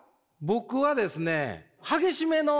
僕はですね